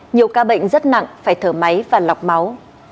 nhiều ca bệnh rất nặng phải thở máy và lọc máu